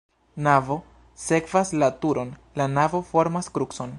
Navo sekvas la turon, la navo formas krucon.